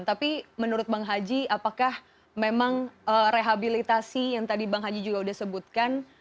tapi menurut bang haji apakah memang rehabilitasi yang tadi bang haji juga sudah sebutkan